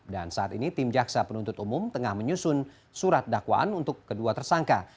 saat ini tim jaksa penuntut umum tengah menyusun surat dakwaan untuk kedua tersangka